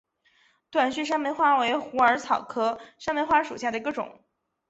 短序山梅花为虎耳草科山梅花属下的一个种。